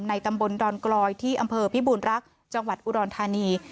ตำบลดอนกลอยที่อำเภอพิบูรณรักษ์จังหวัดอุดรธานี